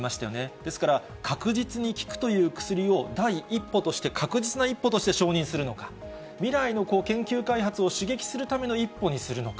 ですから、確実に効くという薬を第一歩として、確実な一歩として承認するのか、未来の研究開発を刺激するための一歩にするのか。